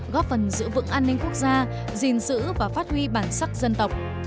góp phần giữ vững an ninh quốc gia gìn giữ và phát huy bản sắc dân tộc